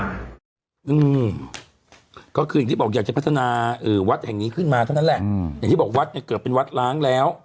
อืมก็คืออย่างที่บอกอยากจะพัฒนาวัดแห่งนี้ขึ้นมาเท่านั้นแหละอืมอย่างที่บอกวัดเนี่ยเกิดเป็นวัดล้างแล้ว